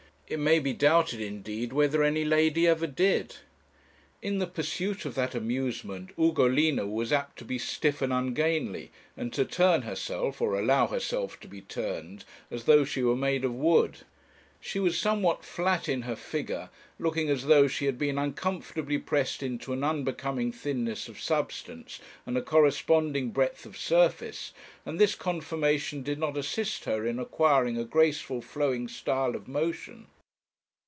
It may be doubted, indeed, whether any lady ever did. In the pursuit of that amusement Ugolina was apt to be stiff and ungainly, and to turn herself, or allow herself to be turned, as though she were made of wood; she was somewhat flat in her figure, looking as though she had been uncomfortably pressed into an unbecoming thinness of substance, and a corresponding breadth of surface, and this conformation did not assist her in acquiring a graceful flowing style of motion.